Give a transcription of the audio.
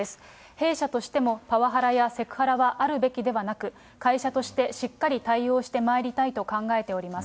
弊社としても、パワハラやセクハラはあるべきではなく、会社としてしっかり対応してまいりたいと考えております。